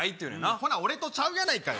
ほな俺とちゃうやないか。